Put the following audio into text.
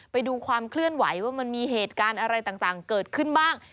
ไปดูความเคลื่อนไหวว่ามันมีเหตุการณ์อะไรต่างเกิดขึ้นบ้าง